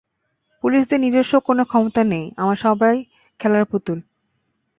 পুলিশদের নিজস্ব কোনও ক্ষমতা নেই আমার সবাই খেলার পুতুল।